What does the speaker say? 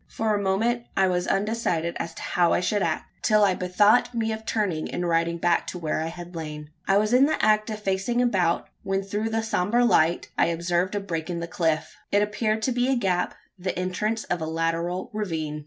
For a moment I was undecided as to how I should act till I bethought me of turning, and riding back to where I had lain. I was in the act of facing about, when through the sombre light I observed a break in the cliff. It appeared to be a gap the entrance of a lateral ravine.